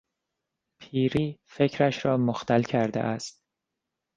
پیری، فکرش را مختل کرده است.